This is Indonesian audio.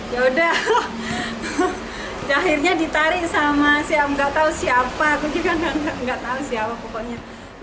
yaudah akhirnya ditarik sama siapa nggak tau siapa aku juga nggak tau siapa pokoknya